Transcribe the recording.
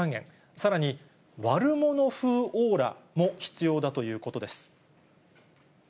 さらに悪者風オーラも必要だということです。